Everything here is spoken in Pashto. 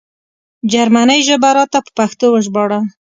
جرمنۍ ژبه راته په پښتو وژباړه